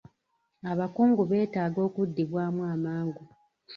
Abakungu beetaaga okuddibwamu amangu.